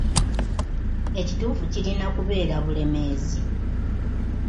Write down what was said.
Ekituufu kirina kubeera 'Bulemeezi.'